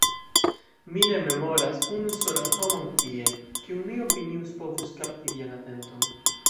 Mi ne memoras unu solan homon tie, kiun mi opinius povus kapti vian atenton.